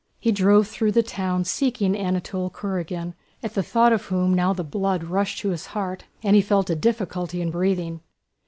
He drove through the town seeking Anatole Kurágin, at the thought of whom now the blood rushed to his heart and he felt a difficulty in breathing.